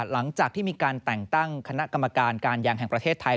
หลังจากที่มีการแต่งตั้งคณะกรรมการการยางแห่งประเทศไทย